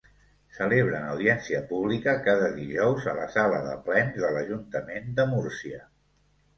Celebren audiència pública cada dijous a la Sala de Plens de l'Ajuntament de Múrcia.